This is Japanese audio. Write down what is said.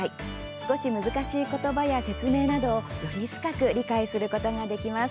少し難しい言葉や説明などをより深く理解することができます。